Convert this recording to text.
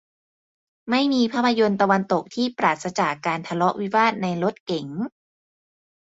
ไม่มีภาพยนตร์ตะวันตกที่ปราศจากการทะเลาะวิวาทในรถเก๋ง